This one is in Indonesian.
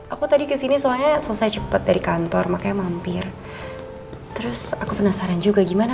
aku tadi kesini soalnya selesai cepat dari kantor makanya mampir terus aku penasaran juga gimana